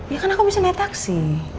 ya karena aku bisa lihat taksi